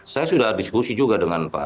saya sudah diskusi juga dengan pak